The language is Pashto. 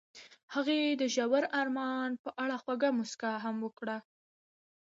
هغې د ژور آرمان په اړه خوږه موسکا هم وکړه.